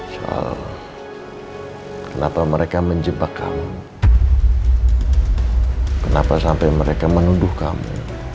soal kenapa mereka menjebak kamu kenapa sampai mereka menuduh kamu